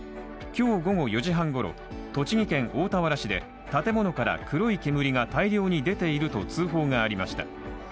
今日午後４時半ごろ、栃木県大田原市で建物から黒い煙が大量に出ていると通報がありました。